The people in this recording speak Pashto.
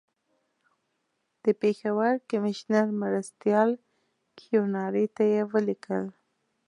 د پېښور کمیشنر مرستیال کیوناري ته یې ولیکل.